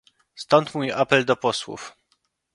Stąd mój apel do posłów